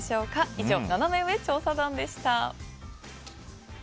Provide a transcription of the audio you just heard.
以上、ナナメ上調査団でした。